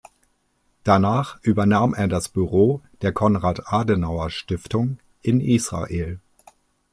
Danach übernahm er das Büro der Konrad-Adenauer-Stiftung in Israel.